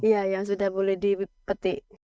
iya yang sudah boleh dipetik